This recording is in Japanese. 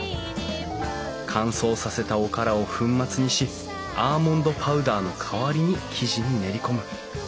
乾燥させたおからを粉末にしアーモンドパウダーの代わりに生地に練り込む。